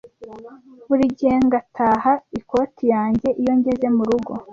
Buri gihe ngataha ikoti yanjye iyo ngeze murugo.